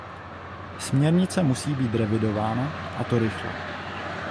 Směrnice musí být revidována, a to rychle.